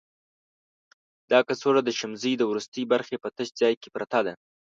دا کڅوړه د شمزۍ د وروستي برخې په تش ځای کې پرته ده.